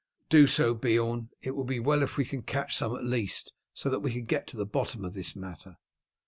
"Do so, Beorn. It will be well if we can catch some at least, so that we can get to the bottom of this matter."